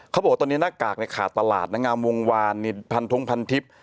เขาบอกว่าตอนนี้หน้ากากขาดตลาดนางงามวงวานพันธงพันทิพย์